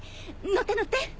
乗って乗って。